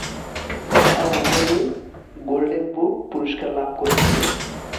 তারা উভয়েই golden boot পুরস্কার লাভ করেছিলেন।